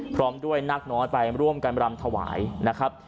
พร้อมด้วยนักน้อยไปร่วมกันรำถวายนะครับ